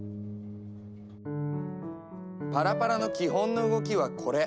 パラパラの基本の動きはこれ！